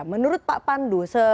menurut pak pandu